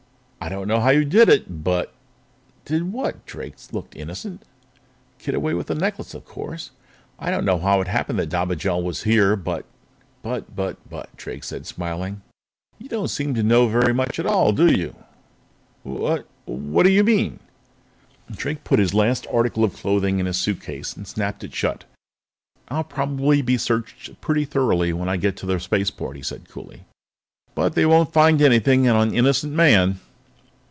I don't know how you did it, but " "Did what?" Drake looked innocent. "Get away with the necklace, of course! I don't know how it happened that Dobigel was there, but " "But, but, but," Drake said, smiling. "You don't seem to know very much at all, do you?" "Wha what do you mean?" Drake put his last article of clothing in his suitcase and snapped it shut. "I'll probably be searched pretty thoroughly when I get to the spaceport," he said coolly, "but they won't find anything on an innocent man."